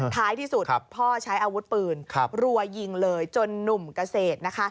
ท้ายที่สุดพ่อใช้อาวุธปืนรัวยิงเลยจนหนุ่มเกษตรนะคะ